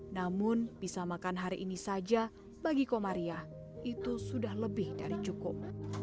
namun bisa makan hari ini saja bagi komaria itu sudah lebih dari cukup